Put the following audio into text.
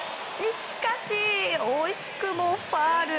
しかし、惜しくもファウル。